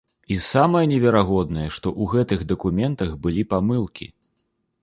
І самае неверагоднае, што ў гэтых дакументах былі памылкі.